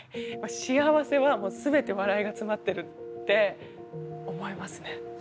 幸せはもう全て笑いが詰まってるって思いますね。